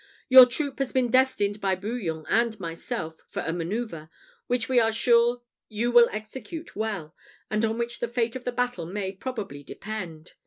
Your troop has been destined by Bouillon and myself for a man[oe]uvre, which we are sure you will execute well, and on which the fate of the battle may probably depend.